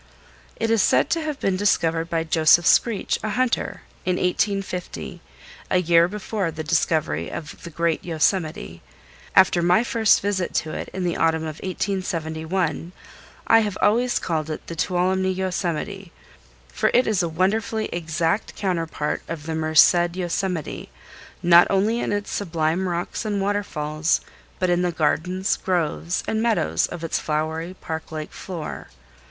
It is said to have been discovered by Joseph Screech, a hunter, in 1850, a year before the discovery of the great Yosemite. After my first visit to it in the autumn of 1871, I have always called it the "Tuolumne Yosemite," for it is a wonderfully exact counterpart of the Merced Yosemite, not only in its sublime rocks and waterfalls but in the gardens, groves and meadows of its flowery park like floor.